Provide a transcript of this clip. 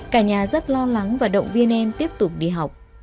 cả nhà rất lo lắng và động viên em tiếp tục đi học